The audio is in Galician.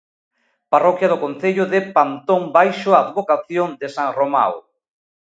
Parroquia do concello de Pantón baixo a advocación de san Romao.